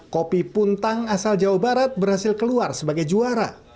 kopi puntang asal jawa barat berhasil keluar sebagai juara